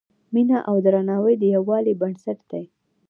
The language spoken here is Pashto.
مینه او درناوی د یووالي بنسټ دی.